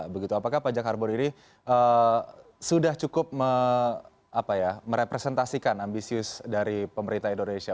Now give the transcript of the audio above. begitu apakah pajak karbon ini sudah cukup merepresentasikan ambisius dari pemerintah indonesia